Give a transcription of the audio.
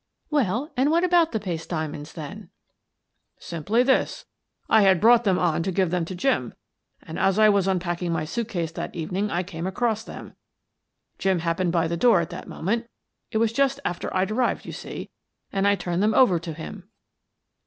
"Well, and what about the paste diamonds, then?" " Simply this : I had brought them on to give them to Jim, and as I was unpacking my suit case that evening I came across them. Jim happened by the door at that moment — it was just after I'd arrived, you see — and I turned them over to him."